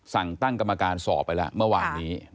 สั่งตั้งกรรมการสอบไปแล้วเมื่อวานนี้